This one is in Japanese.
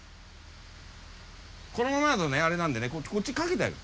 このままだとねあれなんでねこっち掛けてやる。